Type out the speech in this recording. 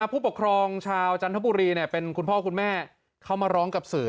ผู้ปกครองชาวจันทบุรีเป็นคุณพ่อคุณแม่เขามาร้องกับสื่อ